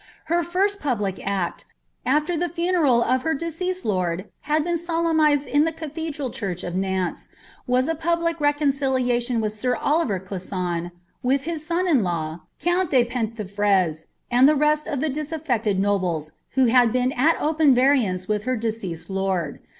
Her first public act, after the funeral of her deceased lord had been solemnised in the cathedral church of Nantes, was a public reconciliation with sir Oliver Clisson, with his son in law, coont de Penthievres, and the rest of the disafi^ted nobles, who had been at open variance with her deceased lord.